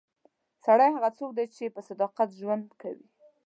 سړی هغه څوک دی چې په صداقت ژوند کوي.